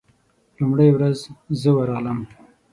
لومړۍ ورځ زه ورغلم.